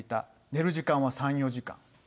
寝る時間は３、４時間。